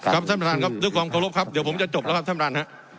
ท่านประธานครับด้วยความเคารพครับเดี๋ยวผมจะจบแล้วครับท่านประธานฮะ